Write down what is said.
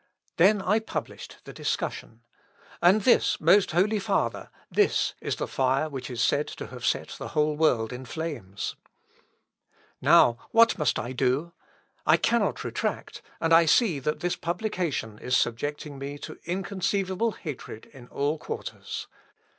Then I published the discussion, "And this, most Holy Father! this is the fire which is said to have set the whole world in flames! "Now, what must I do? I cannot retract, and I see that this publication is subjecting me to inconceivable hatred in all quarters.